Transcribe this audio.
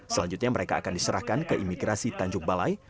selanjutnya mereka akan diserahkan ke imigrasi tanjung balai